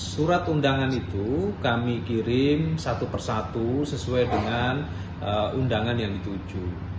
surat undangan itu kami kirim satu persatu sesuai dengan undangan yang dituju